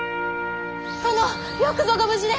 殿よくぞご無事で！